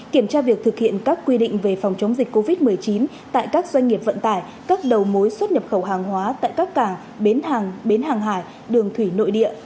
kiểm tra việc thực hiện các quy định về phòng chống dịch covid một mươi chín tại các doanh nghiệp vận tải các đầu mối xuất nhập khẩu hàng hóa tại các cảng bến hàng bến hàng hải đường thủy nội địa